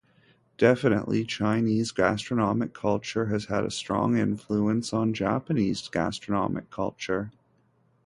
Definitely, Chinese gastronomic culture has had a strong influence on Japanese gastronomic culture.